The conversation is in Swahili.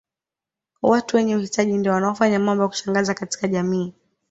Watu wenye uhitaji ndio wanaofanya mambo ya kushangaza katika jamii